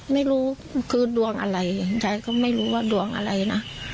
ไม่รู้คือดวงอะไรยายก็ไม่รู้ว่าดวงอะไรนะ